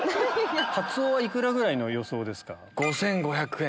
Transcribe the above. カツオは幾らぐらいの予想ですか？